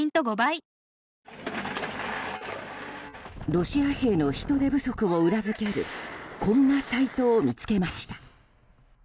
ロシア兵の人手不足を裏付けるこんなサイトを見つけました。